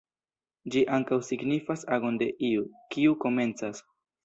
Ĝi ankaŭ signifas agon de iu, kiu komencas.